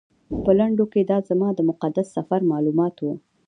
په لنډو کې دا زما د مقدس سفر معلومات و.